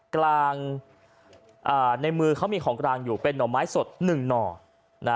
กลางในมือเขามีของกลางอยู่เป็นหน่อไม้สด๑หน่อนะ